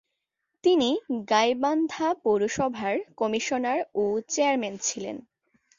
তিনি গাইবান্ধা পৌরসভার কমিশনার ও চেয়ারম্যান ছিলেন।